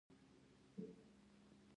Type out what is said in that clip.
او د ټک ټاک د سپکو هم غټ کردار دے -